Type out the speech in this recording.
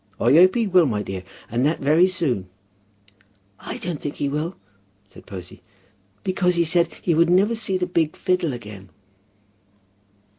"I hope he will, my dear; and that very soon." "I don't think he will," said Posy, "because he said he would never see the big fiddle again."